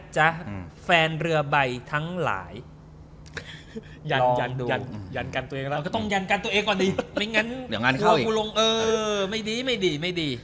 จ๊ะแฟนเหลือใบทั้งหลายยันตัวเองก่อนดีไม่ดีไม่ดีไม่ดี